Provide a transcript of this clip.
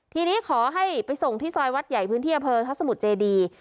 ทีนี้ขอให้ไปส่งที่ซอยวัดใหญ่พื้นที่อำเภอทัศมุทรเจดี